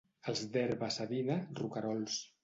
Els d'Herba-savina, roquerols.